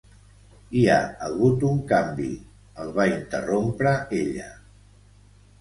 "Hi ha hagut un canvi", el va interrompre ella.